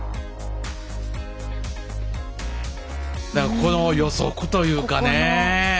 この予測というかね。